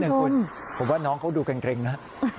หนึ่งคุณผมว่าน้องเขาดูเกร็งนะ